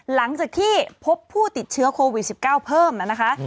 หลังจากที่พบผู้ติดเชื้อโควิด๑๙เพิ่มนะคะ